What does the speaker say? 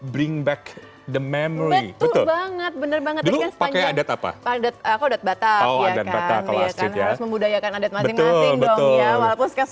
bring back the memory betul banget bener banget dulu pakai adat apa adat adat batak dan batak